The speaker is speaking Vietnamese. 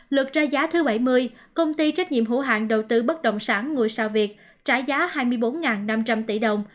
luật ra giá thứ bảy mươi công ty trách nhiệm hữu hạng đầu tư bất động sản ngôi sao việt trả giá hai mươi bốn năm trăm linh tỷ đồng